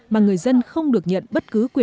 mà người dân không được nộp tiền mua đất